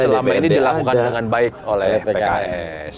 selama ini dilakukan dengan baik oleh pks